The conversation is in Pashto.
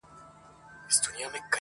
كله ،كله ديدنونه زما بــدن خــوري.